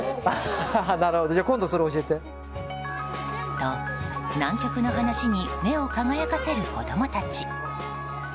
と、南極の話に目を輝かせる子供たち。